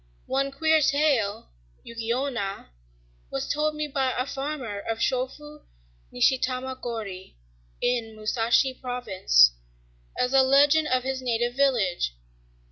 One queer tale, "Yuki Onna," was told me by a farmer of Chōfu, Nishitama gōri, in Musashi province, as a legend of his native village.